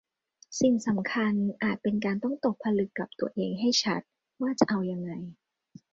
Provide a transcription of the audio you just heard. สิ่งสำคัญอาจเป็นการต้องตกผลึกกับตัวเองให้ชัดว่าจะเอายังไง